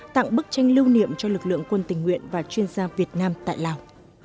tặng bức tranh lưu niệm cho lực lượng quân tình nguyện và chuyên gia việt nam tại lào